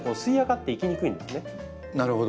なるほど。